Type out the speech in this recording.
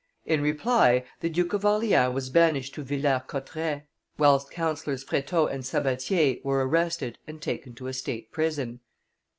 In reply, the Duke of Orleans was banished to Villers Cotterets, whilst Councillors Freteau and Sabatier were arrested and taken to a state prison.